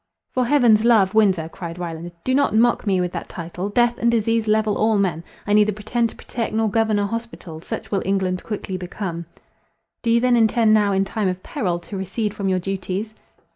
"For heaven's love! Windsor," cried Ryland, "do not mock me with that title. Death and disease level all men. I neither pretend to protect nor govern an hospital—such will England quickly become." "Do you then intend, now in time of peril, to recede from your duties?"